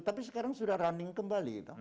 tapi sekarang sudah running kembali